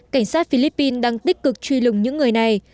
cảnh sát philippines đang tích cực truy lùng những người này